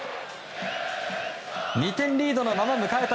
２点リードのまま迎えた